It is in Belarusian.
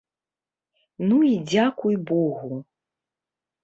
Ну і дзякуй богу!